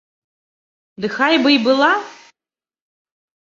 Ды хай бы й была.